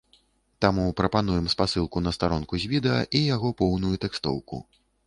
Таму прапануем спасылку на старонку з відэа і яго поўную тэкстоўку.